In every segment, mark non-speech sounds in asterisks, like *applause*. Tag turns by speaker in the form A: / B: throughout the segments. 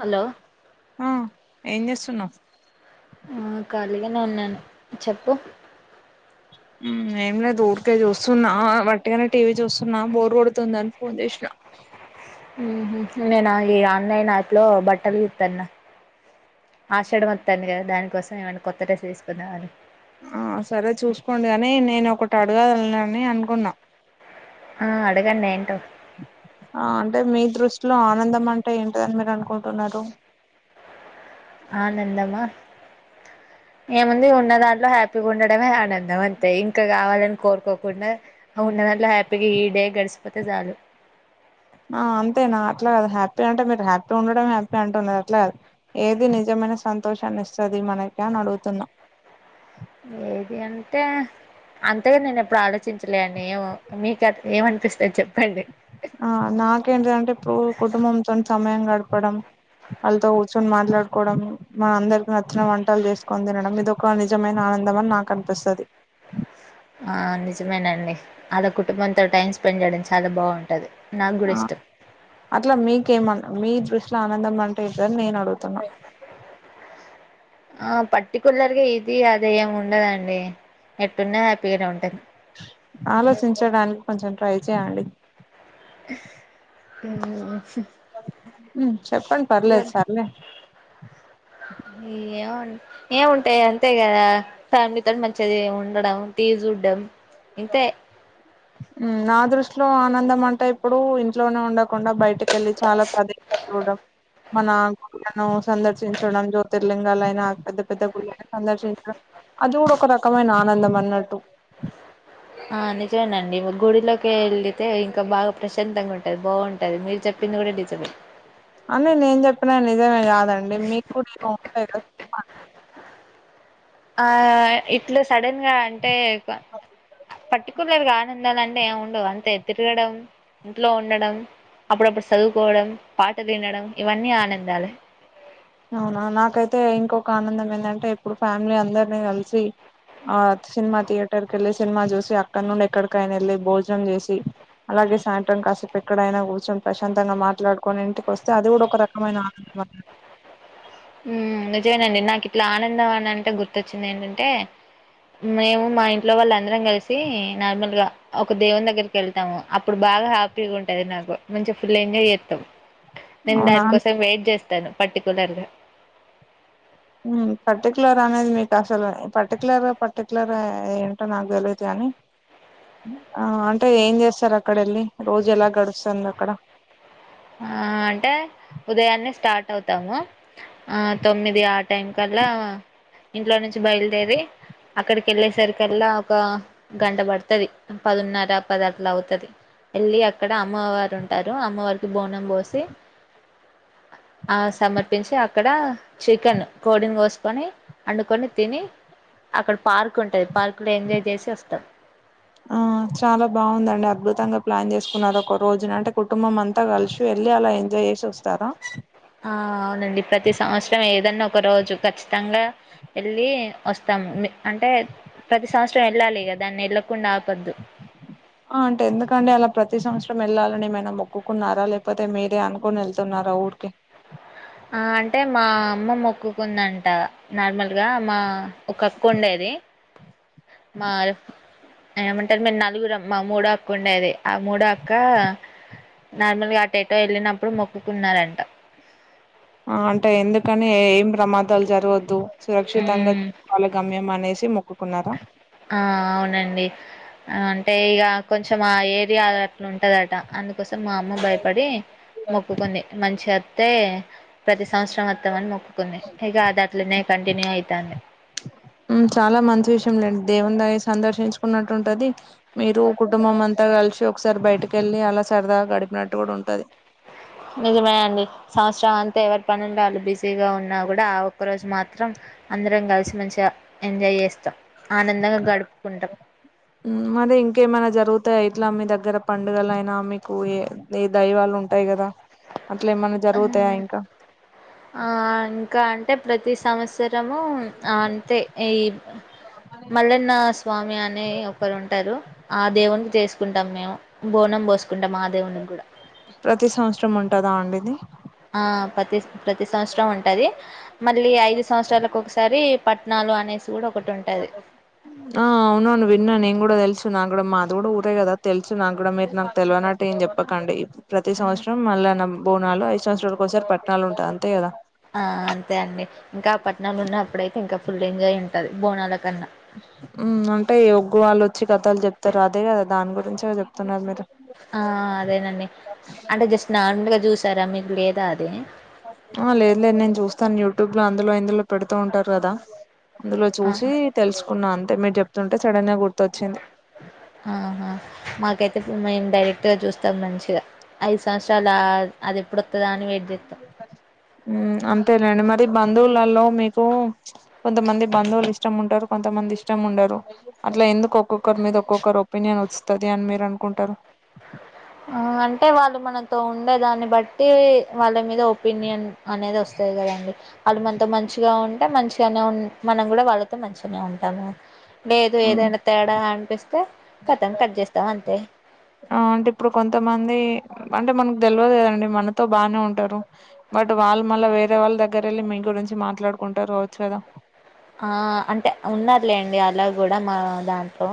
A: Hello
B: ఆ ఏం చేస్తున్నవ్
A: ఆ ఖాళీగనే ఉన్నాను. చెప్పు
B: మ్ ఏం లేదు ఊరికే చూస్తున్నా వట్టిగనే టీవీ చూస్తున్నా బోర్ కొడుతుందని ఫోన్ చేసిన
A: నేన ఈ ఆన్లైన్ యాప్లో బట్టల్ చూత్తన్న ఆషాడం వత్తాన్ కదా దానికోసం ఏమన్న కొత్త డ్రెస్ తీస్కుందాం అని
B: ఆ సరే చూసుకోండి కాని నేను ఒకటి అడగాల్నాని అనుకున్నా
A: ఆ అడుగన్నేయింటో
B: ఆ అంటే మీ దృష్టిలో ఆనందం అంటే ఏంటదని మీరు అనుకుంటున్నారు
A: ఆనందమా ఏముంది ఉన్న దాంట్లో హ్యాపీగా ఉండడమే ఆనందం అంతే ఇంకా కావాలని కోరుకోకుండా ఉన్న హ్యాపీగా ఈ డే గడిసిపోతే చాలు
B: ఆ అంతేనా అట్లా కాదు హ్యాపీ అంటే మీరు హ్యాపీ ఉండడం హ్యాపీ అంటున్నారు అట్లా కాదు ఏది నిజం మన సంతోషాన్ని ఇస్తుంది మనక అని అడుగుతున్నాం
A: ఏది అంటే అంతగా నేను ఎప్పుడు ఆలోచించలే అండి ఏమో మీకు ఏమనిపిస్తుంది చెప్పండి
B: ఆ నాకేంటిదంటే ప్పడం వాళ్ళతో కూర్చొని మాట్లాడుకోవడం మన అందరిక నచ్చిన వంటలు చేసుకని తినడం ఇదొ ఒక నిజమైన ఆనందం *unintelligible* నాకు అనిపిస్తుది
A: ఆ నిజమేనండి అడ కుటుంబంతో టైం స్పెండ్ చేయడం చాలా బావుంటది నాకు గూడా
B: ఆ
A: ఇష్టం.
B: అట్లా మీకేమ మీ దృష్టిలో ఆనందం అంటే ఎంటి దన్ నేను అడుగుతున్నా
A: ఆ పర్టికులర్గా ఇది అదే ఏమి ఉండదండి ఎట్టున్న హ్యాపీగానే ఉంటుంది
B: ఆలోచించడానికి కొంచెం ట్రై చేయండి
A: అ
B: చెప్పండి పర్లేదు
A: ఇవన్
B: సార్లే
A: ఏ ఏముంటాయి అంతే గదా ఫ్యామిలీ తోటి మంచిది జె ఉండడం టీ చూడ్డం ఇంతే
B: ఉమ్ నా దృష్టిలో ఆనందం అంటే ఇప్పుడు ఇంట్లోనే ఉండకుండా బయటికి క వెళ్లి చాలా ప్రదేశలు చూడం మన గుళ్లను సందర్శించడం జ్యోతిర్లింగాలుయిైన పెద్ద పెద్ద గుళ్ళలను సందర్శించడం అది కూడా ఒక రకమైన ఆనందం అన్నట్టు
A: ఆ నిజేండి గుడిలోకి వెళితే ఇంకా బాగా ప్రశాంతంగా ఉంటది బావుంటది మీరు చెప్ *unintelligible* డిజబల్
B: అన్ని నేను జెప్పిన నిజమే గాదండి మీకు కూడా ఇ ఉంటాయి కద
A: ఆ ఇట్లు సడన్ గా అంటే క్ పర్టికులర్గా ఆనందాలంటే ే ఏ ఉండవు అంతే తిరగడం ఇంట్లో ఉండడం అప్పుడప్పుడు చదువుకోవడం పాట తినడం ఇవన్నీ ఆనందాలే
B: అవునా నాకైతే ఇంకొక ఆనందం ఏందంటే ఇప్పుడు ఫ్యామిలీ అందరినీ కలిసి ఆ సినిమా థియేటర్కి వెళ్ళి సినిమా చూసి అక్కడ నుండి ఎక్కడికైనా వెళ్ళి భోజనం చేసి అలా అగే సాయంత్రం కాసేపు ఎక్కడైనా కూర్చొని ప్రశాంతంగా మాట్లాడుకొని ఇంటికి వస్తే అది కూడా ఒక రకమైన ఆనందం అ
A: ఉమ్ నిజమేనండి నాకు ఇట్లా ఆనందం అని అంటే గుర్తొచ్చింది ఏంటంటే మేము మా ఇంట్లో వాళ్ళ అందరం కలిసి నార్మల్ గా ఒక దేవం దగ్గరికి వెళ్తాము అప్పుడు బా బాగా హ్యాపీగా ఉంటది నాకు మంచిగా ఫుల్ ఎంజాయ్ చేస్తాం నేను
B: అవునా
A: దానికోసం వెయిట్ చేస్తాను పర్టికులర్ గా
B: ఉమ్ పర్టిక్యలర్ అనేది మీకు అసలు పర్టికలర్ పర్టిక్యులర్ ఏంటో నాకు తెలిైతే అని ఆ అంటే ఏం చేస్తారు అక్కడ వెళ్ళి రోజు ఎలా గడుస్తుంది అక్కడ
A: ఆ అంటే ఉదయాన్నే స్టార్ట్ అవుతాము. ఆ తొమ్మిది ఆ టైం కల్ అలా ఇంట్లో నుంచి బయల్దేరి అక్కడికెళ్ళే సరికల్లా ఒక గంట పడ్తది. పదున్నర పదట్ల అవుతది. ఎళ్ళి అక్కడ అమ్మవారు ఉంటారు అమ్మవారు బోనం బోసి ఆ సమర్పించి అక్కడ చికెన్ కోడిన్ కోస్కొని అండుకొని తిని అక్కడ పార్క్ ఉంటది పార్క్లో ఎంజాయ్ చేసి వస్తాం.
B: ఆ చాలా బాగుందండి అద్భుతంగా ప్లాన్ చేసుకున్నారు ఒక రోజున అంటే కుటుంబం అంతా కల్సి వెల్ వెళ్ళి అలా ఎంజాయ్ చేసి వస్తారా?
A: ఆ అవునండి ప్రతి సంవత్సరం ఏదన్న ఒక రోజు ఖచ్చితంగా వెళ్ళి వస్తా అంటే ప్రతి సంవత్సరం ఎళ్ళాలిగ దాన్ని ఎల్లో
B: ఆ అంటే ఎందుకండి అలా ప్రతి ప్రతి సంవత్సరం ఎళ్ళాలని ఏమైనా మొక్కున్నారా లేకపోతే మీరే అనుకొని ఎళ్తున్నారా ఊరికే
A: ఆ అంటే మా అమ్మ మొక్కుకుందంట నార్మల్గా మా ఒక అక్క ఉండేది మా ఏమంటరు మేం నలుగురం మా మూడో అక్క ఉండేది. ఆ మూడో అక్కా నార్మల్గా అటేటో ఎళ్ళినప్పుడు మొక్కుకున్నారంట.
B: ఆ అంటే ఎందుకని ఏం ప్రమాదాలు జరగొద్దు. సురక్షితంగా
A: హ్మ్
B: వాళ్ళ గమ్యం అనేసి మొక్కుకున్నారా?
A: ఆ! అవునండి. ఆహ్, అంటే ఇగ కొంచం ఆ ఏరియా అద్ అట్లుంటదట అందు కోసం మా అమ్మ భయపడి మొక్కుకుంది. మంచిగత్తే ప్రతి సంవత్సరం అత్తం అన్ మొక్కుకుంది. ఇగ అద్ అట్లనే కంటిన్యూ అయితాంది.
B: మ్ చాలా మంచి విషయం లేం దేవున్ దయ సందర్శించుకున్నట్టుంటది మీరు కుటుంబం అంతా క కల్సి ఒక్సార్ బైటికెళ్ళి అలా సరదాగా గడిపినట్టు గుడా ఉంటది.
A: నిజమే అండి. సంవత్సరం అంతా ఎవరి పనుల్లో వాళ్ళు బిజీగా ఉన్నా గుడా ఆ ఒక్కరోజు మాత్రం అందరం కల్సి మంచిగ ఎంజాయ్ చేస్తాం.
B: మ్ మరి ఇంకేమైన జరుగు తే ఇట్లా మీ దగ్గర పండుగలైనా మీకు ఏ ఏ దైవాల్ ఉంటయి కదా అట్లా ఏమన్నా జరుగుతాయా ఇంకా
A: ఆ ఇంకా అంటే ప్రతి సంవత్స రము ఆ అంతే ఈ మల్లన్నా స్వామి అనే ఒకరు ఉంటారు ఆ దేవునికి చేస్కుంటాం మేము బోనం పోస్కుంటాం ఆ దేవునికి గుడా
B: ప్రతి సంవత్సరం ఉంటాదా అండి ఇది
A: ఆ ప్రతి ప్రతి సంవత్సరం ఉంటది. మళ్ళీ ఐదు సంవత్సరాలకు ఒక్సారి పట్నాలు అనేస్
B: ఆ అవునవును విన్నాను నేన్ గుడా తెల్సు నా మాతో గుడా పోతే గదా తెస్సు నాక్ గుడా మీర్ నాక్ తెల్వనట్టు ఏం చెప్పకండి. ప్రతి సంవత్సరం మల్లన్న బోనాలు, ఐదు సంవత్సరాలకోసారి పట్నాలు ఉంటద్ అంతే గదా
A: ఆ అంతే అండి ఇంక పట్నం ఉన్నప్పుడైతే ఇంకా ఫుల్ ఎంజాయ్ ఉంటది. బోనాల కన్నా
B: మ్ అంటే ఒగ్గు వాళ్ళు వచ్చి కథాల్ చెప్తరు అదే కదా దాన్ గురించే కదా చెప్తున్నారు మీరు
A: ఆ అదేనండి. అంటే జస్ట్ నార్మల్గా చూసారా మీకు లేదా అది
B: ఆ లేదులే నేన్ చూస్తాను యూట్యూబ్లో అందులో ఇందులో పెడుతూ ఉంటారు కదా అందులో
A: ఆ
B: చూసి తెలుసుకున్నా అంతే మీర్ చెప్తుంటే సడన్గా గుర్తొచ్చింది.
A: ఆ హా మాకైతే మేం డైరెక్ట్గా చూస్తాం మంచిగ ఐదు సంవత్సరాల అది ఎప్పుడోత్తాదా అని *unintelligible*
B: ఉమ్, అంతేలేండి మరి బంధువులలో మీకు కొంతమంది బంధువులు ఇష్టం ఉంటారు కొంతమంది ఇష్టం ఉండరు అట్లా ఎందుకు ఒక్కొక్కరి మీద ఒక్కొక్కరు ఒపీనియన్ వస్తది అని మీరు అనుకుంటారు
A: ఆ అంటే వాళ్ళు మనతో ఉండే దాన్ని బట్టి వాళ్ళ మీద ఒపీనియన్ అనేది వస్తు కదండి వాళ్ళు మనతో మంచిగా ఉంటే మంచిగానే ఉ మనం కూడా వాళ్ళతో మంచిగానే ఉంటాము లేదు ఏదైనా తేడా అం
B: అంట ఇప్పుడు కొంతమంది అంటే మనకు తెలవదు కదండి మనతో బానే ఉంటారు బట్ వాళ్ళు మళ్ళ వేరే వాళ్ళ దగ్గర వెళ్ళి మీ గురించి మాట్లాడుకుంటారు రావచ్చు కదా
A: ఆ అంటే ఉన్నారులే అండి అలా గుడా *unintelligible* దాట్లో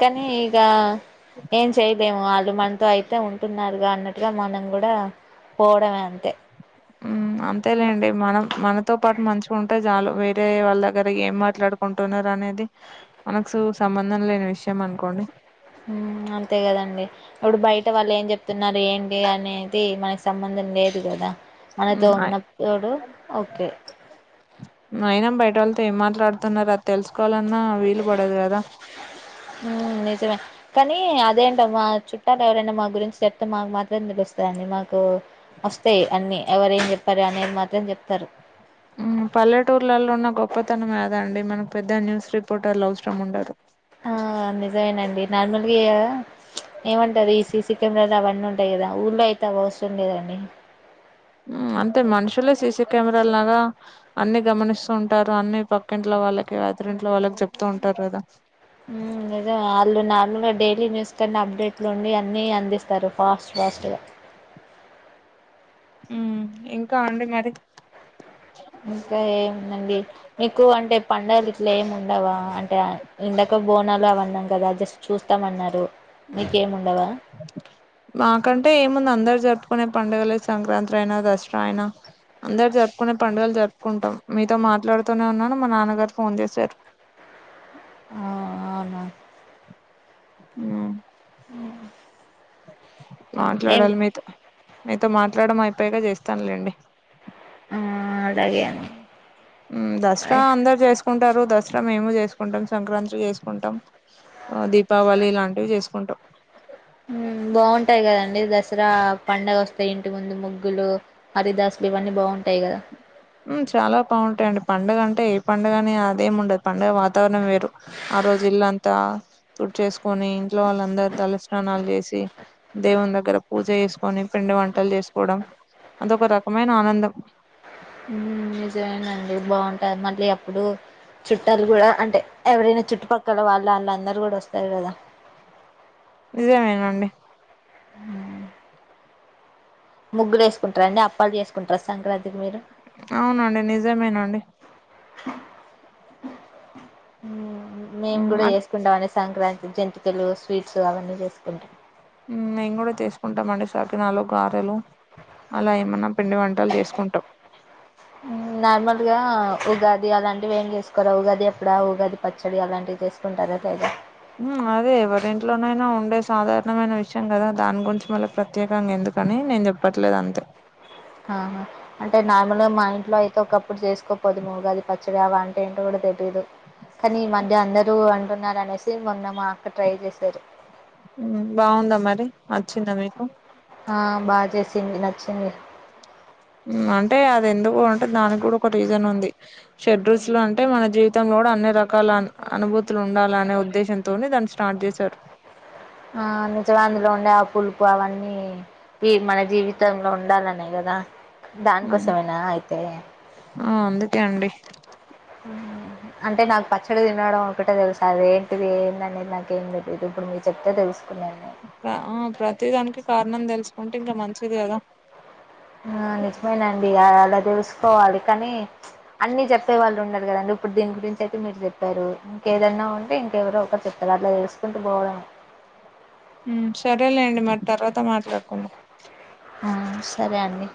A: కానీ ఇగఏం చే ేమో వాళ్ళు మనతో అయితే ఉంటున్నారుగా అన్నట్గా మనం గుడా పోవడమే అంతే
B: ఉమ్ అంతేలేండి మనం మనతో పాటు మంచి ఉంటే జాలు వేరే వాళ్ళ దగ్గర ఏం మాట్లాడుకుంటున్నారు అనేది మనక్స్ సంబంధం లేని విషయం అనుకోండి
A: హమ్ అంతే గదండి ఇప్పుడు బయట వాళ్ళు ఏం చెప్తున్నారు ఏంటి అనేది మనకి సంబంధం లేదు గదా మనతో
B: హ్మ్ అయ్
A: ఉన్నప్పుోడు ఓకే
B: *unintelligible* వాళ్ళతో ఏ మాట్లాడుతున్నారు అది తెలుసుకోవాలన్నా వీలు పడదు కదా
A: హ్మ్. నిజమే. కానీ అదేంట ఒ మా చుట్టాలు ఎవరైనా మా గురించి చెప్తే మాకు మాత్రమం తెలుస్తందండి మాకు వస్తేయి అని ఎవరేం చెప్పారు అనేది మాత్రం చెప్తారు
B: ఉమ్ పల్లెటూర్లలో ఉన్న గొప్పతనం కాద అండి మనం పెద్ద న్యూస్ రిపోర్టర్లు అవసరం ఉండరు
A: ఆ నిజమేనండి నార్మల్గా ఏమంటాది ఈ సిసి కెమరాల అవన్నీ ఉంటాయి కదా ఊర్లా అయితే *unintelligible* లేదండి
B: మ్ అంతే మనుషులే సీసి కెమెరా లాగా అన్ని గమనిస్తూ ఉంటారు అన్ని పక్కిట్లో వాళ్ళకి అత్ర ఇంట్లో వాళ్ళకి చెప్తూ ఉంటారు కదా
A: హ్మ్. *unintelligible* అప్డేట్లు ఉండి అన్నీ అందిస్తారు ఫాస్ట్ ఫాస్ట్గా
B: ఉమ్ ఇంకా అండి మరి
A: ఇంకా ఏముందండి మీకు అంటే పండగల్ గిట్ల ఏముండవ టే ఇందక బోనాలు అవన్నాం కదా జస్ట్ చూస్తామ అన్నారు
B: మాకంటే ఏముంది అందరు జెప్పుకునే పండుగల ఎ సంక్రాంతి అయినా దసరా అయనా అందరు జరుపుకునే పండుగలు జరుపుకుంటాం మీతో మాట్లాడుతూనే ఉన్నాను మా నాన్నగారు ఫోన్ చేశారు
A: ఆ అవునా
B: మ్
A: ఉ
B: మాట్లాడాలి మీతో మీతో మాట్లాడం అయిపోయాక చేస్తానులేండి
A: ఆ అదగే
B: మ్ దసరా అందరు చేసుకుంటారు దసరా మేము చేసుకుంటాం సంక్రాంతి చేసుకుంటాం అ దీపావళి ఇలాంటివి చేసుకుంటాం
A: బాగుంటాయి కదండి దసరా పండగ వస్తాయి ఇంటి ముందు ముగ్గులు హరిదాసపు లు ఇవన్నీ బావుంటాయి కదా
B: మ్ చాలా పావుంటాయండి పండగ అంటే ఏ పండుగ అని అది ఎం ఉండదు పండగ వా వాతావరణం వేరు ఆ రోజు ఇల్ల అంతా తోట్ చేస్కోని ఇంట్లో వాళ్ళందర్ తల స్నానాల్ చేసి దేవున్ దగ్గర పూజ చేసుకొని పిండి వంటల్ చేస్కోడం అదొక రకమైన ఆనందం.
A: నిజమేనండి బాగుంటాది మళ్ళీ అప్పుడు చుట్టాల్ గుడా అంటే ఎవరైనా చుట్టుపక్కల వాళ్ళు వాళ్ళందరూ గుడా వస్తారు గదా
B: నిజమేనండి.
A: హ్ ముగ్గులేస్కుంటరా అండి అప్పాల్ చేసుకుంటరా సంక్రాంతికి మీరు
B: అవునండి నిజమేనండి.
A: మేం
B: హ్మ్.
A: గుడా
B: అట్
A: చేస్కుంటం అండి సంక్రాంతి జంతికలు, స్వీట్స్ అవన్నీ చేసుకుంటాం.
B: మ్ మేం కూడా చేస్కుంటామండి సకినాలు, గారెలు అలా ఏమన్నా పిండి వంటల్ చేసుకుంటం.
A: గా ఉగాది అలాంటివి ఏం చేస్కోరా ఉగాది ఎప్పుడా ఉగాది పచ్చడి అలాంటివి చేసుకుంటారా లేదా
B: మ్ అదే ఎవరింట్లోనైనా ఉండే సాధారణమైన విషయం కదా దాన్ గురించి మళ్ళీ ప్రత్యేకంగా ఎందుకు కని నేన్ చెప్పట్లేద్ అంతే
A: అవునా అంటే నార్మల్గా మా ఇంట్లో అయితే ఒకప్పుడు చేసుకోపోదు ఉగాది పచ్చడి అవంట ఏంటో గుడ తెలీదు కనీ ఈ మధ్య అందరూ అంటున్నార్ అనేసి మొన్న మా అక్క ట్రై చేశారు.
B: బాగుందా మరి నచ్చిందా మీకు?
A: ఆ బాగ చేసింది నచ్చింది.
B: అంటే అది ఎందుకు అంటే దానిక్ కూడా ఒక రీజన్ ఉంది. షడ్రుచులు అంటే మన జీవితంలో కూడా అన్ని రకాల అన్ అనుభూతులు ఉండాలనే ఉద్దేశంతోని దాన్ స్టార్ట్ చేసారు.
A: ఆ నిజమే అందులో ఉండే ఆ పులు పు అవన్నీ మన జీవితంలో ఉండాలనే గదా దాన్ కోసమేనా అయితే
B: ఆ అందుకే అండి.
A: ఆ అంటే నాకు పచ్చడ తినడం ఒకటే తెల్సు అది ఏంటిది ఏందనేది నాకేం తెలీదు ఇప్పుడు మీర్ చెప్తే తెల్సుకున్నాను.
B: ఆ ప్రతిదానికి కారణం తెలుసుకుంటే ఇంకా మంచిది కదా
A: ఆ నిజమేనండి అలా తెస్కోవాలి కనీ అన్ని చెప్పే వాళ్ళు ఉండరు కదండి. ఇప్పుడు దీన్ గురించి అయితే మీరు చెప్పారు ఇంకేదన్నా ఉంటే ఇం కెవరో ఒకరు చెప్తారు అట్లా తెలుసుకుంటూ పోవడమే
B: మ్ సరేలేండి మరి తర్వాత మాట్లాడుకుందాం.
A: ఆ సరే అండి.